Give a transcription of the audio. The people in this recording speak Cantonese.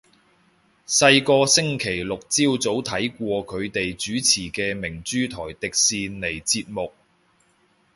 細個星期六朝早睇過佢哋主持嘅明珠台迪士尼節目